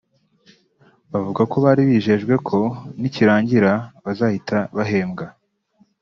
bavuga ko bari bijejwe ko nikirangira bazahita bahembwa